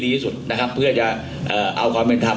ไล่ออกจากภาษาการเลยไหม